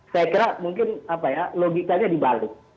saya kira mungkin apa ya logikanya dibalik